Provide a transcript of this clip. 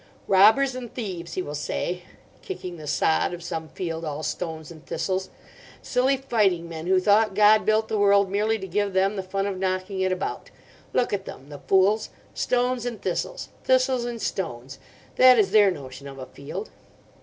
'Robbers and thieves,' he will say, kicking the sod of some field all stones and thistles; 'silly fighting men who thought God built the world merely to give them the fun of knocking it about. Look at them, the fools! stones and thistles—thistles and stones: that is their notion of a field.